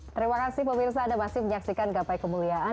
terima kasih pemirsa anda masih menyaksikan gapai kemuliaan